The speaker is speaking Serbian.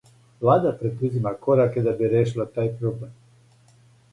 Влада предузима кораке да би решила тај проблем.